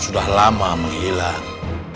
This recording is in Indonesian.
sudah lama menghilang